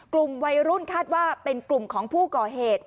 กลุ่มวัยรุ่นคาดว่าเป็นกลุ่มของผู้ก่อเหตุ